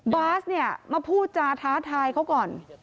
บาสมาพูดจาท้าทายเขาก่อน